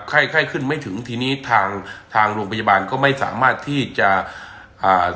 ไข้ไข้ขึ้นไม่ถึงทีนี้ทางทางโรงพยาบาลก็ไม่สามารถที่จะอ่า